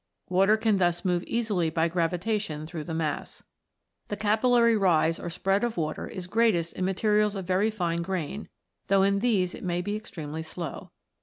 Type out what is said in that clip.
Water can thus move easily by gravitation through the mass. The capillary rise or spread of water is greatest in materials of very fine grain, though in these it may be extremely slow.